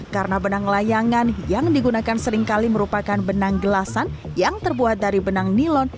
karena benang layangan yang digunakan seringkali merupakan benang gelasan yang terbuat dari benang nilon